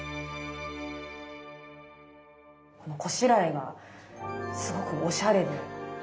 このこしらえがすごくおしゃれで。